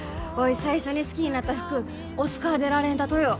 最初に好きになった服オスカー・デ・ラ・レンタとよ